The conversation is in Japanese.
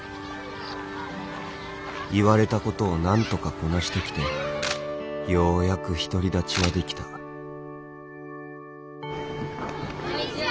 言われた事を何とかこなしてきてようやく独り立ちができたこんにちは！